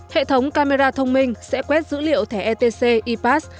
hệ thống camera thông minh sẽ quét dữ liệu thẻ etc epas